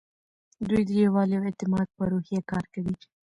دوی د یووالي او اعتماد په روحیه کار کوي.